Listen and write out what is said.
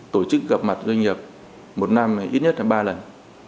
tổ chức gặp mặt doanh nghiệp một năm ít nhất là ba lần